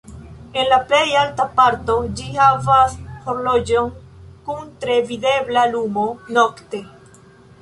En la plej alta parto ĝi havas horloĝon kun tre videbla lumo nokte.